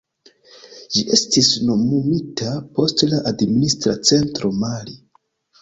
Ĝi estis nomumita post la administra centro Mali.